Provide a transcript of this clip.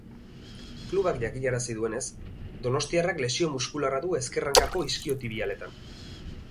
Klubak jakinarazi duenez, donostiarrak lesio muskularra du ezker hankako iskiotibialetan.